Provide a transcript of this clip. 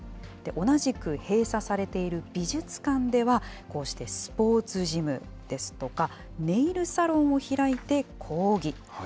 同じく閉鎖されている美術館では、こうしてスポーツジムですとか、ネイルサロンを開いて抗議。